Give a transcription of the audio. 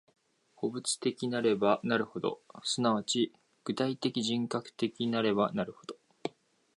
個物的なればなるほど、即ち具体的人格的なればなるほど、